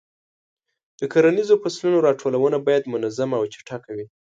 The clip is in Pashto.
د کرنیزو فصلونو راټولونه باید منظمه او چټکه وي.